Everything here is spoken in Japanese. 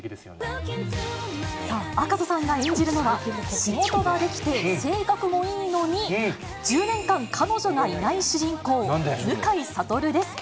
さあ、赤楚さんが演じるのは、仕事ができて性格もいいのに、１０年間、彼女がいない主人公、向井悟です。